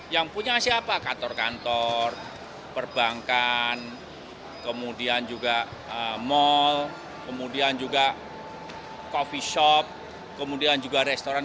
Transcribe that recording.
yang punya siapa kantor kantor perbankan kemudian juga mal kemudian juga coffee shop kemudian juga restoran